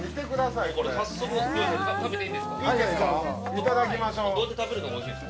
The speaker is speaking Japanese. いただきましょう。